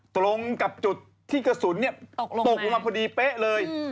ตรงกับจุดที่กระสุนตกลงมาพอดีเป๊ะเลย